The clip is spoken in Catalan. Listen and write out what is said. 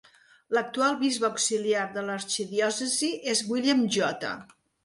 L'actual bisbe auxiliar de l'arxidiòcesi és William J.